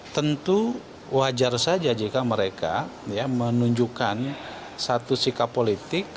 tentu wajar saja jika mereka menunjukkan satu sikap politik